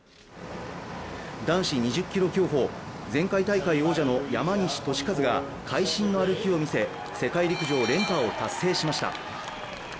男子２０ｋｍ競歩、前回大会王者の山西利和が会心の歩きを見せ、世界陸上連覇を達成しました。